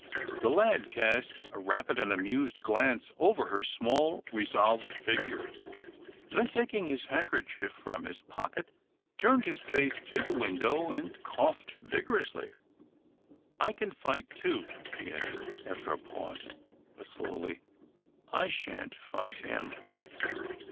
The lad cast a rapid and amused glance over her small resolved figure, then taking his handkerchief from his pocket, turned his face to the window, and coughed vigorously. "I can fight, too," she added, after a pause, "but " slowly, "I sha'n't fight him."